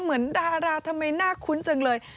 เหมือนดาราทำไมน่าคุ้นจังเลย